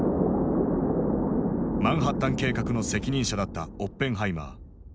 マンハッタン計画の責任者だったオッペンハイマー。